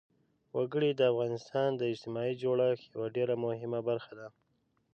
وګړي د افغانستان د اجتماعي جوړښت یوه ډېره مهمه برخه ده.